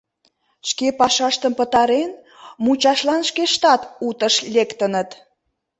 Шке пашаштым пытарен, мучашлан шкештат утыш лектыныт.